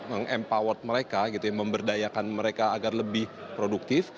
meng empower mereka gitu ya memberdayakan mereka agar lebih produktif